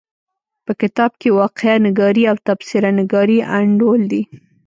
په کتاب کې واقعه نګاري او تبصره نګاري انډول دي.